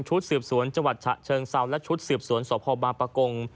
ชุดสืบสวนจังหวัดฉะเชิงเซาและชุดสืบสวนสพบางปะกง